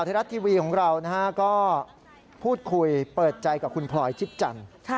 ก็คือต่ำที่สุดในตั้งแต่พอเคยเจอมาเลยแหละ